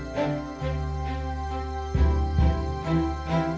กายพร้อมใจพร้อมเราทำได้